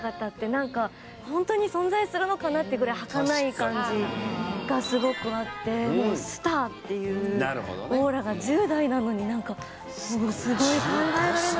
なんかホントに存在するのかなっていうぐらいはかない感じがすごくあってスターっていうオーラが１０代なのになんかすごい考えられない。